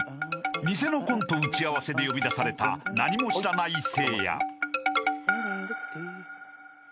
［偽のコント打ち合わせで呼び出された何も知らないせいや］